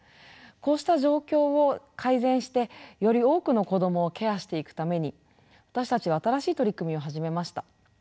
こうした状況を改善してより多くの子どもをケアしていくために私たちは新しい取り組みを始めました。